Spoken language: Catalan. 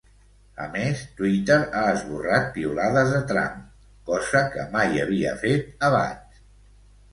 A més, Twitter ha esborrat piulades de Trump, cosa que mai havia fet abans.